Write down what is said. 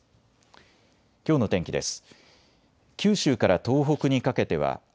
きょうの天気です。